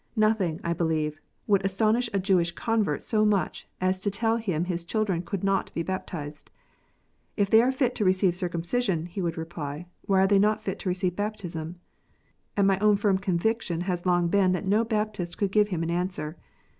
Nothing, I believe, would astonish a Jewish convert so much as to tell him his children could not be baptized! "If they are fit to receive circumcision," he would reply, " why are they not fit to receive baptism 1 " And my own firm conviction has long been that no Baptist could give him an answer.